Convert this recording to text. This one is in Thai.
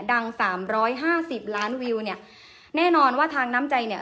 ดังสามร้อยห้าสิบล้านวิวเนี่ยแน่นอนว่าทางน้ำใจเนี่ย